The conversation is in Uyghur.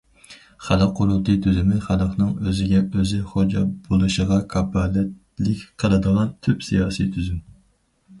خەلق قۇرۇلتىيى تۈزۈمى خەلقنىڭ ئۆزىگە ئۆزى خوجا بولۇشىغا كاپالەتلىك قىلىدىغان تۈپ سىياسىي تۈزۈم.